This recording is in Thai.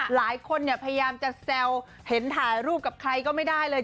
หลายคนเนี่ยพยายามจะแซวเห็นถ่ายรูปกับใครก็ไม่ได้เลย